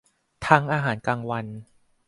ทั้งอาหารกลางวัน